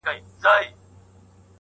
سړي وویل وراره دي حکمران دئ؛